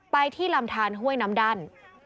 ไปที่ลำทานห้วยน้ำดัน